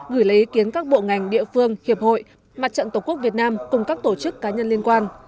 gửi lấy ý kiến các bộ ngành địa phương hiệp hội mặt trận tổ quốc việt nam cùng các tổ chức cá nhân liên quan